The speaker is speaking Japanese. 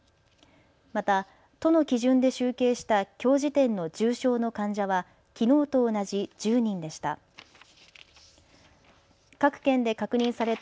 また、都の基準で集計したきょう時点の重症の患者はきのうと同じ１０人でした。